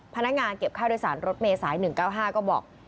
พนักงานเก็บค่าโดยสารรถเมษาย๑๙๕ก็บอก